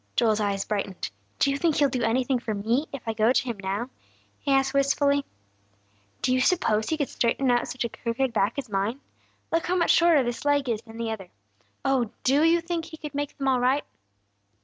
Joel's eyes brightened. "Do you think he'll do anything for me, if I go to him now?" he asked wistfully. "Do you suppose he could straighten out such a crooked back as mine? Look how much shorter this leg is than the other. Oh, do you think he could make them all right?"